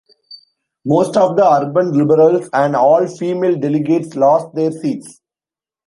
Most of the urban liberals and all female delegates lost their seats.